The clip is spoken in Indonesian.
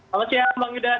selamat siang bang gojek